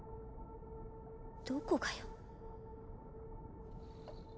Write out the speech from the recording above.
どこがよ